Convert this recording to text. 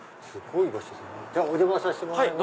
じゃあお邪魔させてもらいます。